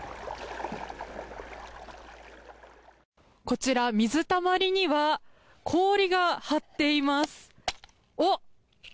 こちら水たまりには氷が張っています。